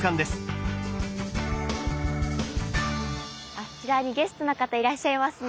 あちらにゲストの方いらっしゃいますね。